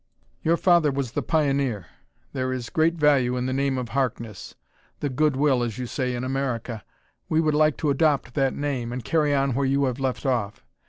"Your father was the pioneer; there is great value in the name of Harkness the 'good will' as you say in America. We would like to adopt that name, and carry on where you have left off.